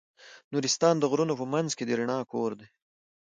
نورستان د غرونو په منځ کې د رڼا کور دی.